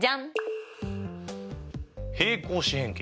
平行四辺形？